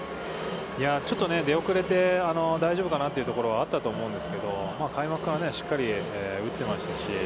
ちょっとね、出おくれて、大丈夫かなというところはあったと思うんですけど、開幕からしっかり打っていましたし。